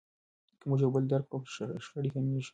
که موږ یو بل درک کړو شخړې کمیږي.